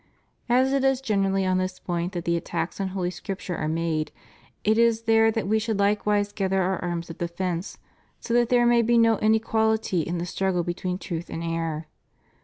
As it is generally on this point that the attacks on Holy Scripture are made, it is there that we should Uke wise gather our arms of defence; so that there may be no inequality in the struggle between truth and error.